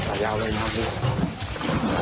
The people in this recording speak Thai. สายาวเลยนะครับ